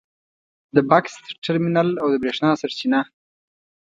د بکس ترمینل او د برېښنا سرچینه